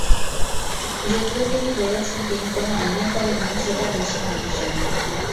যদিও তিনি বলেছেন, তিনি কোনো অন্যায় করেননি, সেটা দেশের মানুষ জানে।